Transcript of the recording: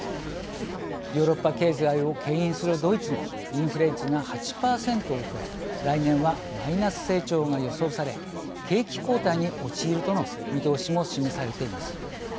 ヨーロッパ経済をけん引するドイツもインフレ率が８％を超え来年はマイナス成長が予想され景気後退に陥るとの見通しも示されています。